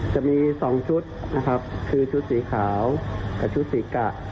จะมี๒ชุดนะครับคือชุดสีขาวกับชุดสีกะ